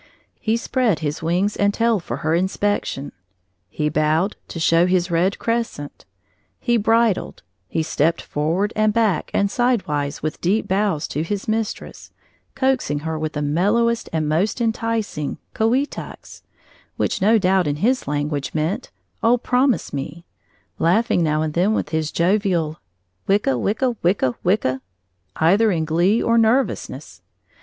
He spread his wings and tail for her inspection; he bowed, to show his red crescent; he bridled, he stepped forward and back and sidewise with deep bows to his mistress, coaxing her with the mellowest and most enticing co wee tucks, which no doubt in his language meant "Oh, promise me," laughing now and then his jovial wick a wick a wick a wick a, either in glee or nervousness.